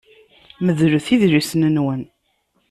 Medlet idlisen-nwen!